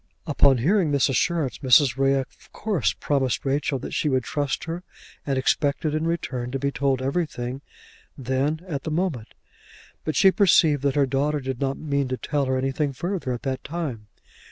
Upon hearing this assurance, Mrs. Ray of course promised Rachel that she would trust her and expected in return to be told everything then, at the moment. But she perceived that her daughter did not mean to tell her anything further at that time.